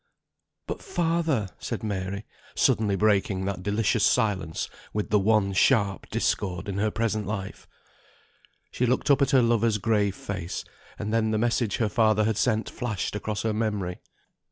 "But father!" said Mary, suddenly breaking that delicious silence with the one sharp discord in her present life. She looked up at her lover's grave face; and then the message her father had sent flashed across her memory.